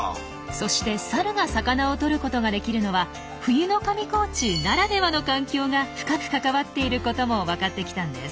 そしてサルが魚をとることができるのは冬の上高地ならではの環境が深く関わっていることも分かってきたんです。